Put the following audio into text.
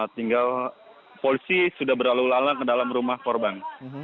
tinggal polisi sudah berlalu lalang ke dalam rumah korban